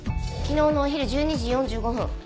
昨日のお昼１２時４５分。